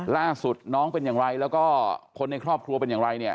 ล่าสุดน้องเป็นอย่างไรแล้วก็คนในครอบครัวเป็นอย่างไรเนี่ย